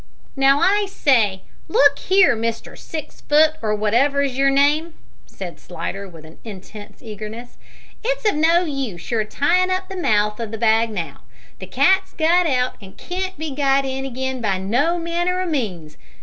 "Now, I say, look here, Mister Six foot or wotever's your name," said Slidder, with intense eagerness. "It's of no use your tyin' up the mouth o' the bag now. The cat's got out an' can't be got in again by no manner o' means.